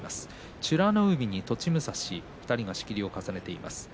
美ノ海、栃武蔵２人が仕切りを重ねています。